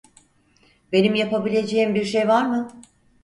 Benim yapabileceğim bir şey var mı?